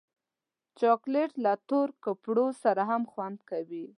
چاکلېټ له تور کپړو سره هم خوند کوي.